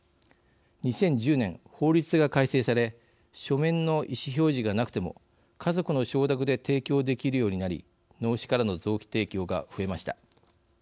２０１０年、法律が改正され書面の意思表示がなくても家族の承諾で提供できるようになり脳死からの臓器提供が増えました。